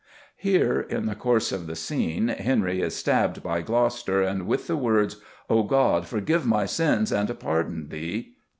Here, in the course of the scene, Henry is stabbed by Gloucester, and with the words, "O, God forgive my sins, and pardon thee!"